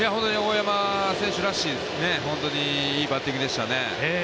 大山選手らしいですね、本当にいいバッティングでしたね。